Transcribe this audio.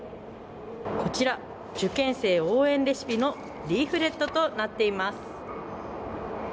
こちら受験生応援レシピのリーフレットとなっています。